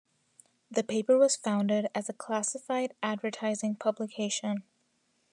The paper was founded as a classified advertising publication.